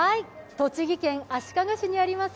栃木県足利市にあります